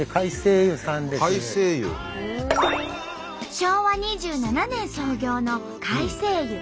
昭和２７年創業の改正湯。